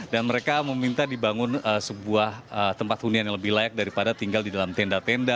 dan mereka meminta dibangun sebuah tempat hunian yang lebih layak daripada tinggal di dalam tenda tenda